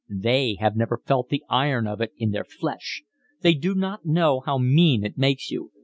They have never felt the iron of it in their flesh. They do not know how mean it makes you.